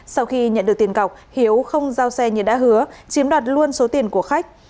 sau khi nhận được tiền cọc hiếu không giao xe như đã hứa chiếm đoạt luôn số tiền của khách